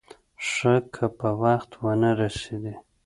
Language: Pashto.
ښه که په وخت ونه رسېدې.